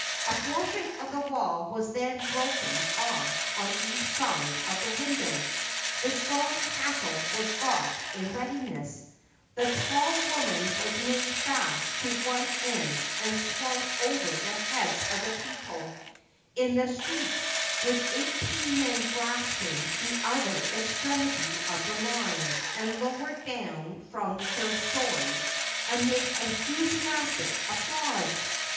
A portion of the wall was then broken off on each side of the window, the strong tackle was got in readiness, the tall woman was made fast to one end and swung over the heads of the people in the street, with eighteen men grasping the other extremity of the line, and lowered down from the third story, amid enthusiastic applause.